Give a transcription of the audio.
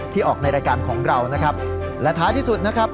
ออกในรายการของเรานะครับและท้ายที่สุดนะครับ